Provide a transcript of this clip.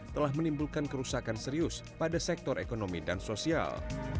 telah menimbulkan kerusakan serius pada sektor ekonomi dan sosial